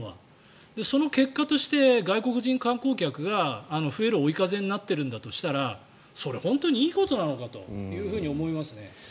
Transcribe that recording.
その結果として、外国人観光客が増える追い風になってるんだとしたらそれ、本当にいいことなのかと思いますね。